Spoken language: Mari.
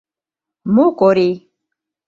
Мо Корий?